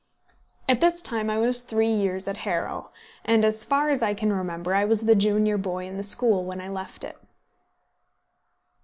At this time I was three years at Harrow; and, as far as I can remember, I was the junior boy in the school when I left it.